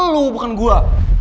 lu bukan gue